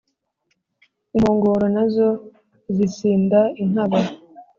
Inkongoro nazo zisinda inkaba